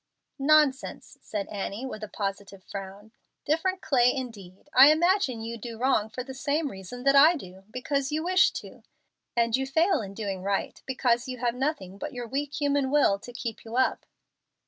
"Nonsense!" said Annie, with a positive frown. "Different clay indeed! I imagine you do wrong for the same reason that I do, because you wish to; and you fail in doing right because you have nothing but your weak human will to keep you up."